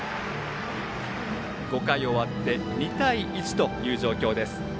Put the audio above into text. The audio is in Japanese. ５回終わって２対１という状況。